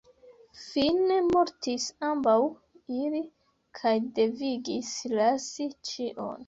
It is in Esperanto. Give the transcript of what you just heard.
Fine mortis ambaŭ ili, kaj devigis lasi ĉion.